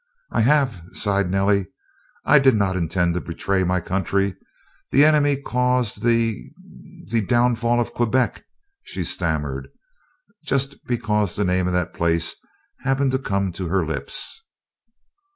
"I have," sighed Nellie. "I did not intend to betray my country. The enemy caused the the downfall of Quebec," she stammered, just because the name of that place happened to come to her lips.